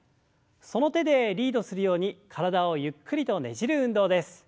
その手でリードするように体をゆっくりとねじる運動です。